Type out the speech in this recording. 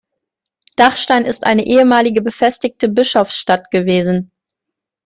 Dachstein ist eine ehemalige, befestigte Bischofsstadt gewesen.